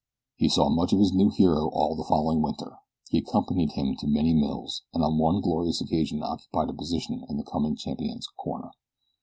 He saw much of his new hero all the following winter. He accompanied him to many mills, and on one glorious occasion occupied a position in the coming champion's corner.